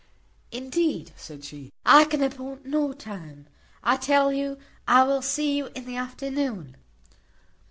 "Indeed," said she, "I can appoint no time. I tell you I will see you in the afternoon."